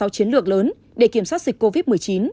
chiến lược lớn để kiểm soát dịch covid một mươi chín